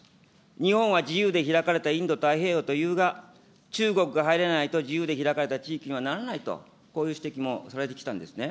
日本は自由で開かれたインド太平洋というが、中国が入れないと、自由で開かれた地域にはならないと、こういう指摘もされてきたんですね。